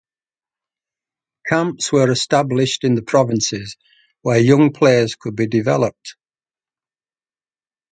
Camps were established in the provinces where young players could be developed.